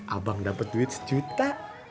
abang dapet duit sejuta